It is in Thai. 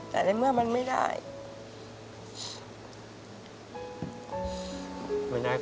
แต่ในเมื่อมันไม่ได้